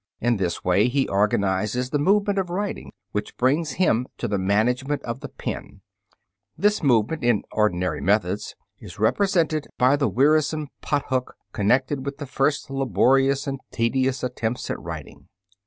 In this way he organizes the movement of writing, which brings him to the management of the pen. This movement in ordinary methods is represented by the wearisome pothook connected with the first laborious and tedious attempts at writing.